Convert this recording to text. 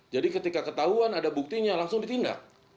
jadi ketika ketahuan ada buktinya langsung ditindak